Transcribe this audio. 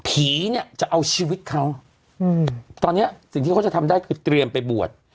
ผีเนี่ยจะเอาชีวิตเขาอืมตอนเนี้ยสิ่งที่เขาจะทำได้คือเตรียมไปบวช